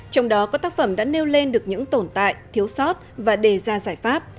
trong đó có tác phẩm đã nêu lên được những tồn tại thiếu sót và đề ra giải pháp